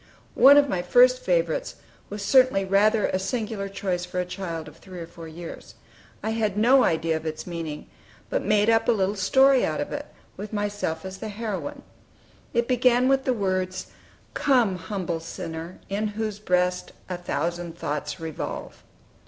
One of my first favorites was certainly rather a singular choice for a child of three or four years. I had no idea of its meaning, but made up a little story out of it, with myself as the heroine. It began with the words "Come, humble sinner, in whose breast A thousand thoughts revolve."